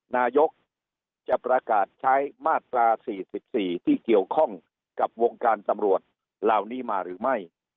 นายกจะประกาศใช้มาตรา๔๔ที่เกี่ยวข้องกับวงการตำรวจเหล่านี้มาหรือไม่